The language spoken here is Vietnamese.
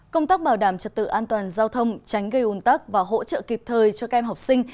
công tác bảo đảm trật tự an toàn giao thông tránh gây ồn tắc và hỗ trợ kịp thời cho các em học sinh